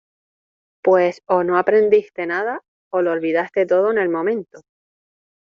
pues o no aprendiste nada, o lo olvidaste todo en el momento